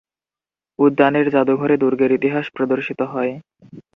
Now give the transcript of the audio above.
উদ্যানের জাদুঘরে দুর্গের ইতিহাস প্রদর্শিত হয়।